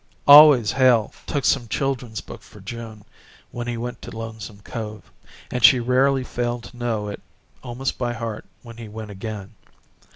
Always Hale took some children's book for June when he went to Lonesome Cove, and she rarely failed to know it almost by heart when he went again.